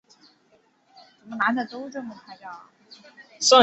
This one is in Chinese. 医院骑士团治下的马耳他是西西里王国的一个附庸国。